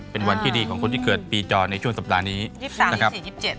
เป็นวันที่ดีของคนที่เกิดปีจอในช่วงสัปดาห์นี้นะครับ